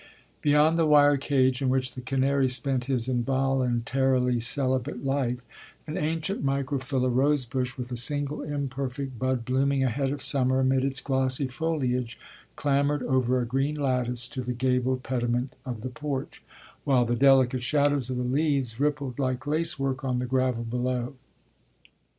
Beyond the wire cage, in which the canary spent his involuntarily celibate life, an ancient microphylla rose bush, with a single imperfect bud blooming ahead of summer amid its glossy foliage, clambered over a green lattice to the gabled pediment of the porch, while the delicate shadows of the leaves rippled like lace work on the gravel below.